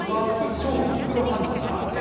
超ミクロハンターです。